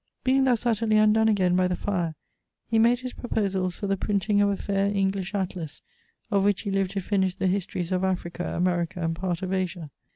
Being thus utterly undon again by the fire, he made his proposalls for the printing of a faire English Atlas, of which he lived to finish the Historys of Africa, America, and part of Asia.